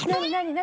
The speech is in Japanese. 何？